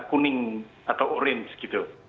kuning atau orange gitu